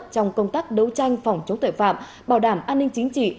trong công tác đấu tranh phòng chống tội phạm bảo đảm an ninh chính trị